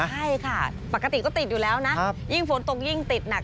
ใช่ค่ะปกติก็ติดอยู่แล้วนะยิ่งฝนตกยิ่งติดหนัก